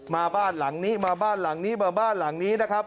มาบ้านหลังนี้มาบ้านหลังนี้มาบ้านหลังนี้นะครับ